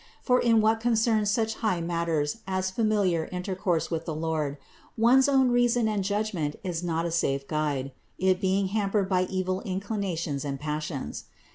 For in what concerns such high matters as familiar inter course with the Lord, one's own reason and judgment is not a safe guide, it being hampered by evil inclinations and passions.